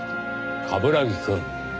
冠城くん。